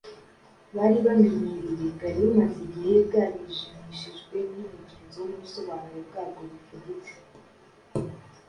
bari bamenyereye bwari bumaze igihe bwarijimishijwe n’imigenzo n’ubusobanuro bwabwo bufuditse